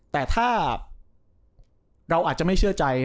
แต่ถ้าเราอาจจะไม่เชื่อใจ